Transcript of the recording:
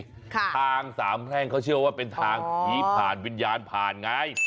ทางสามแพร่งเขาเชื่อว่าเป็นทางผีผ่านวิญญาณผ่านไง